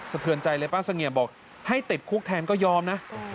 เทือนใจเลยป้าเสงี่ยมบอกให้ติดคุกแทนก็ยอมนะ